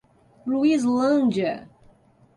Luislândia